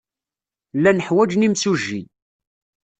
Llan ḥwajen imsujji.